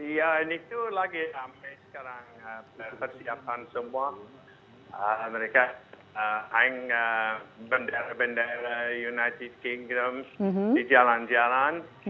ya ini tuh lagi sampai sekarang persiapan semua mereka an bendera bendera united kingdoms di jalan jalan